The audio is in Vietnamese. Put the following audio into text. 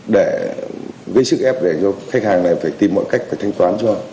để gây sức ép để cho khách hàng này phải tìm mọi cách phải thanh toán cho